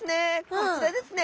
こちらですね。